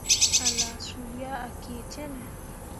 A laa su ah, a kii cenne.